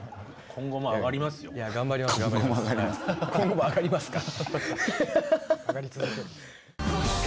今後も上がりますか？